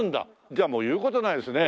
じゃあもう言う事ないですね。